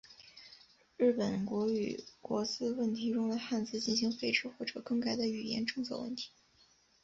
日本国语国字问题中的汉字进行废止或者更改的语言政策问题。